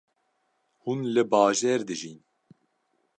Hûn li bajêr dijîn